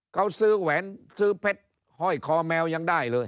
เขาซื้อแหวนซื้อเพชรห้อยคอแมวยังได้เลย